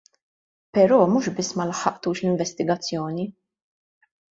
Però mhux biss ma laħħaqtux l-investigazzjoni.